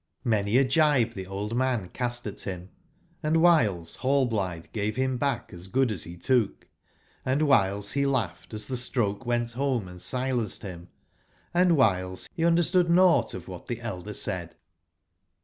[Many a gibe the old man cast at him, and whiles Hallblithe gave him back as good as he took, and whiles he laughed as the stroke went home and silenced him; and whiles he understood nought of what the elder said.